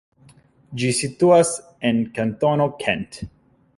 Ĝi situas en kantono Kent.